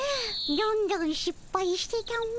どんどんしっぱいしてたも。